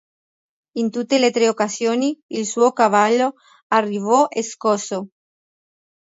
In tutte le tre occasioni, il suo cavallo arrivò scosso.